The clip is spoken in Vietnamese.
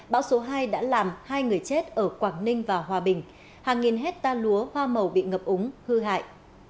bão số hai đã làm hai người chết ở quảng ninh và hòa bình hàng nghìn hecta lúa hoa màu bị ngập úng hư hại